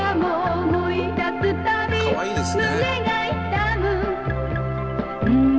「かわいいですね」